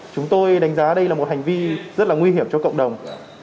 chúng tôi đánh giá đây là một hành vi rất là nguy hiểm cho cộng đồng